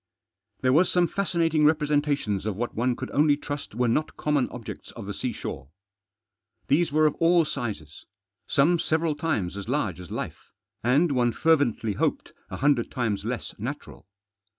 There was some fascinating representations of what one could only trust were not common objects of the seashore. These were of all sizes. Some several times as large as life, and, one fervently hoped, a hundred times less natural.